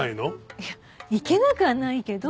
いやいけなくはないけど。